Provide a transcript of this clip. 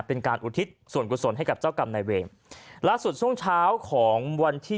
เป็นการอุทิศส่วนกุศลให้กับเจ้ากรรมนายเวร์ลักษณ์ช่วงเช้าของวันที่